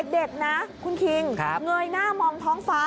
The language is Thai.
เด็กนะคุณคิงเงยหน้ามองท้องฟ้า